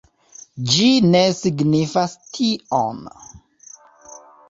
Ĝi ne signifas tion.